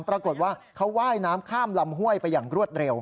ปรากฏว่าเขาว่ายน้ำข้ามลำห้วยไปอย่างรวดเร็ว